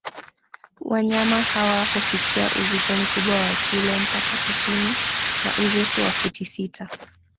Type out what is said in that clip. Wanyama hawa hufikia uzito mkubwa wa kilo mpaka tisini na urefu wa futi sita